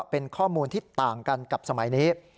เป็นข้อมูลที่ต่างกันกับสมัยนี้